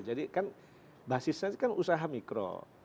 jadi kan basisnya usaha mikro